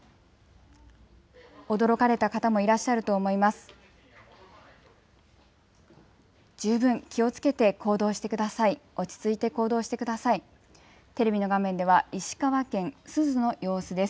驚かれた方もいらっしゃると思います。